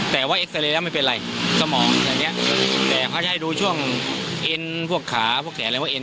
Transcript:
แต่ว่าไม่เป็นไรสมองแบบเนี้ยแต่เขาจะให้ดูช่วงเอ็นพวกขาพวกแขนอะไรว่าเอ็น